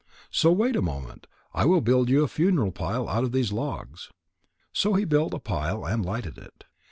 So wait a moment. I will build you a funeral pile out of these logs." So he built the pile and lighted it.